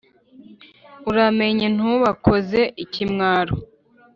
Uramenye ntubakoze ikimwaro !